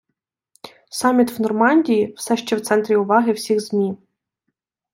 Саміт в Нормандії все ще в центрі уваги всіх ЗМІ